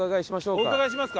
お伺いしますか？